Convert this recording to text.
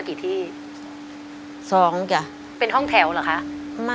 ขอบคุณครับ